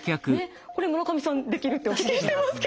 これ村上さんできるっておっしゃってますけど。